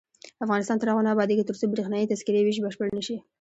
افغانستان تر هغو نه ابادیږي، ترڅو بریښنايي تذکرې ویش بشپړ نشي.